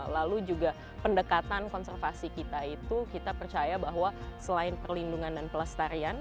lalu juga pendekatan konservasi kita itu kita percaya bahwa selain perlindungan dan pelestarian